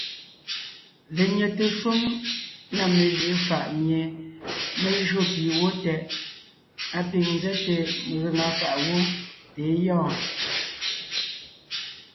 Lenyɛte shúm na mejʉʼʉ faʼ mie mé jÿó pì wó tɛʼ, á pîŋ nzɛ́te megaŋa fàʼ wó tà é gyɔɔn.